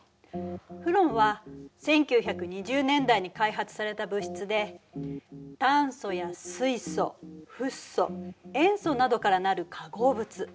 フロンは１９２０年代に開発された物質で炭素や水素フッ素塩素などから成る化合物。